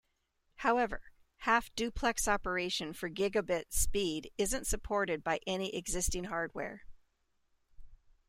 However, half-duplex operation for gigabit speed isn't supported by any existing hardware.